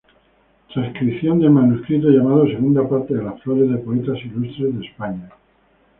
Transcripción del manuscrito llamado "Segunda Parte de las Flores de Poetas Ilustres de España".